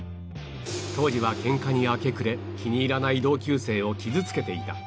当時はケンカに明け暮れ気に入らない同級生を傷つけていた